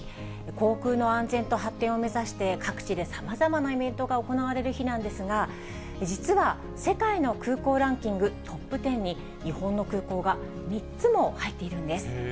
航空の安全と発展を目指して、各地でさまざまなイベントが行われる日なんですが、実は、世界の空港ランキングトップ１０に日本の空港が３つも入っているんです。